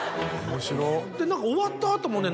何か終わった後もね